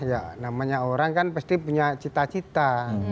ya namanya orang kan pasti punya cita cita